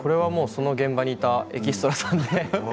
その現場にいたエキストラさんです。